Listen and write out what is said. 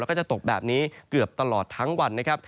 แล้วก็จะตกแบบนี้เกือบตลอดทั้งวันนะครับ